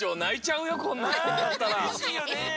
うれしいね。